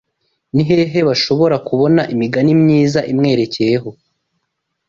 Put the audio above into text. ni hehe bashobora kubona imigani myiza imwerekeyeho